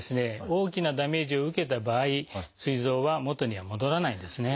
大きなダメージを受けた場合すい臓は元には戻らないんですね。